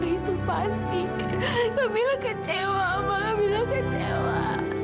itu pasti kamilah kecewa ma kamilah kecewa